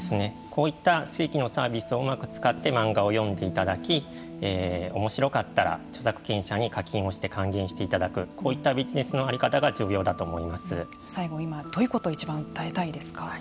こういった正規のサービスをうまく使って漫画を読んでいただきおもしろかったら著作権者に課金をして還元していただくこういったビジネスの在り方が最後に今どういうことをいちばん訴えたいですか。